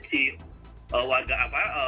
si warga apa